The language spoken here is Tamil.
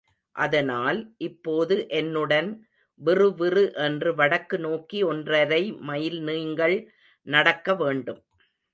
ஆதலால் இப்போது என்னுடன் விறுவிறு என்று வடக்கு நோக்கி ஒன்றரை மைல் நீங்கள் நடக்க வேண்டும்.